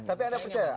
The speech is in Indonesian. tapi anda percaya